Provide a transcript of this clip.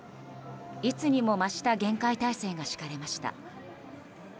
いつにも増した厳戒態勢が敷かれました。